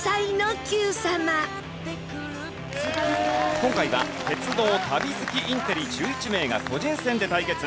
今回は鉄道旅好きインテリ１１名が個人戦で対決！